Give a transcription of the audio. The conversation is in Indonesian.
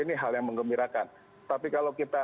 ini hal yang mengembirakan tapi kalau kita